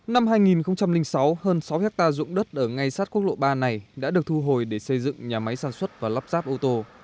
năm hai nghìn sáu hơn sáu hectare dụng đất ở ngay sát quốc lộ ba này đã được thu hồi để xây dựng nhà máy sản xuất và lắp ráp ô tô